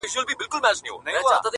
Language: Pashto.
د زړه ملا مي راته وايي دغه”